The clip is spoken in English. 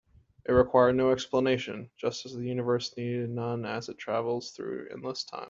It required no explanation, just as the universe needs none as it travels through endless time.